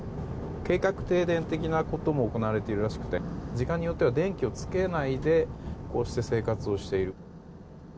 計画停電的なことも行われているらしくて時間によっては電気をつけないでこうして生活をしていると。